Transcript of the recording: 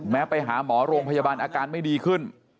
ไปหาหมอโรงพยาบาลอาการไม่ดีขึ้น